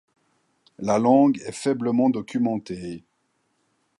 La langue est faiblement documentée.